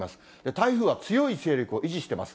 台風は強い勢力を維持しています。